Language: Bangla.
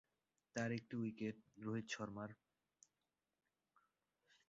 তার একটি উইকেট রোহিত শর্মা-র।